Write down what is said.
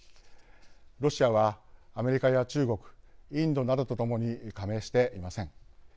ロシアはアメリカや中国インドなどと共に加盟していません。